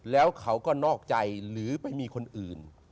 แล้วเขาก็นอกใจหรือไปมีคนอื่น